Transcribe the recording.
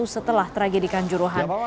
setelah tragedikan juruhan